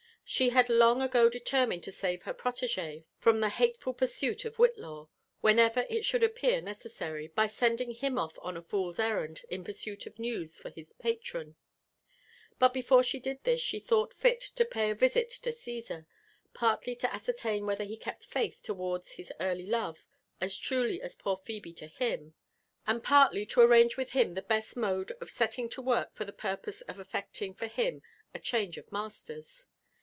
She had long ago determined to save her protege from the hateful pursuit of Whillaw, whenever it should appear necessary, by sending him off on a fool's errand in pursuit of news for his patron; but before she did this, she thought fit to pay a visit to Csesar, partly to ascertain whether he kept faith towards his early love as truly as poor Phebe to him, and partly to arrange with him the best mode of setting to work for the purpose of elTecting for him a change of masters.